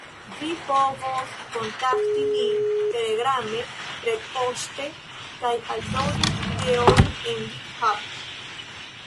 Vi povos kontakti nin Telegrame, retpoŝte kaj aldoni ideojn en Github.